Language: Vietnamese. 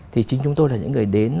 thì chính chúng tôi là những người đến